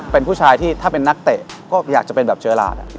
เป็นผู้ชายที่ถ้าเป็นนักเตะก็อยากจะเป็นแบบเจอหลาด